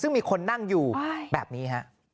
ซึ่งมีคนนั่งอยู่แบบนี้ฮะ